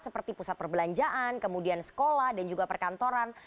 seperti pusat perbelanjaan kemudian sekolah dan juga perkantoran